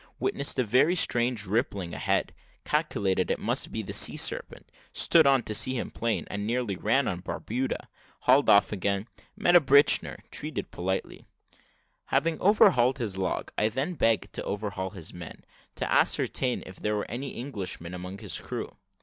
Witnessed a very strange rippling a head calculated it might be the sea serpent stood on to see him plain, and nearly ran on Barbuda. Hauled off again met a Britisher treated politely." Having overhauled his log, I then begged to overhaul his men, to ascertain if there were any Englishmen among his crew.